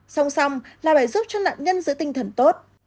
song song là phải giúp cho nạn nhân giữ tinh thần tốt